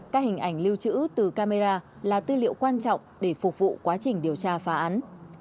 các hình ảnh lưu trữ từ camera là tư liệu quan trọng để phục vụ quá trình điều tra phá án